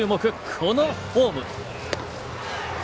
このフォーム。